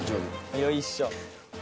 よいしょ。